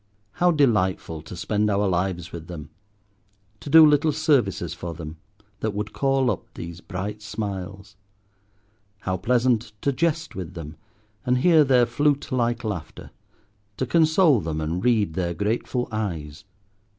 How delightful to spend our lives with them, to do little services for them that would call up these bright smiles. How pleasant to jest with them, and hear their flute like laughter, to console them and read their grateful eyes.